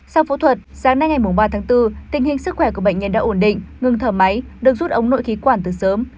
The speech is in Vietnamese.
sau phẫu thuật sáng nay ngày ba tháng bốn tình hình sức khỏe của bệnh nhân đã ổn định ngừng thở máy được rút ống nội khí quản từ sớm